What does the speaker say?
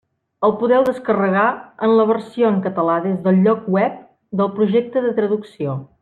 El podeu descarregar en la versió en català des del lloc web del projecte de traducció.